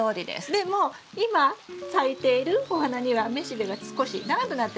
でも今咲いているお花には雌しべが少し長くなってますね。